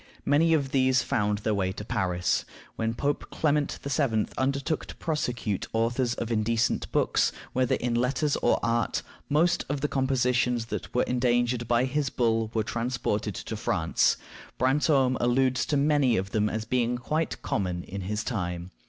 Many of these found their way to Paris. When Pope Clement VII. undertook to prosecute the authors of indecent works, whether in letters or art, most of the compositions that were endangered by his bull were transported to France. Brantome alludes to many of them as being quite common in his time.